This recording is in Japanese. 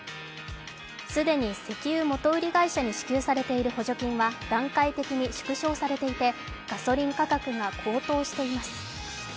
既に石油元売り会社に支給されている補助金は段階的に縮小されていてガソリン価格が高騰しています。